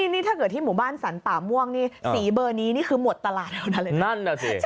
นี่ถ้าเกิดที่หมู่บ้านสรรป่าม่วงนี่สีเบอร์นี้นี่คือหมดตลาดแล้วนะเลย